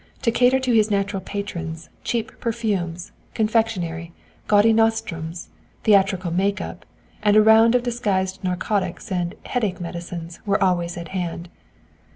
To cater to his natural patrons, cheap perfumes, confectionery, gaudy nostrums, theatrical make up, and a round of disguised narcotics and "headache" medicines were always at hand.